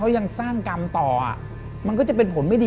เพราะบอกว่าเป็นกรรมอะ